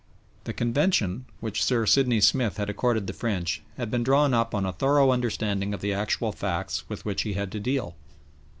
The convention which Sir Sidney Smith had accorded the French had been drawn up on a thorough understanding of the actual facts with which he had to deal.